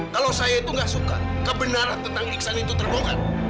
kalau saya itu nggak suka kebenaran tentang iksan itu terbongkar